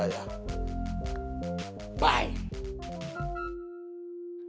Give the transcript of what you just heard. hah kurang asem tuh si dado